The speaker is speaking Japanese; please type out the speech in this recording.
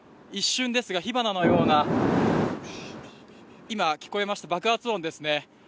一瞬ですが火花のような今、聞こえました、爆発音ですね。